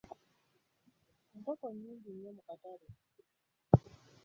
Enkoko nnyingi nnyo mu katale.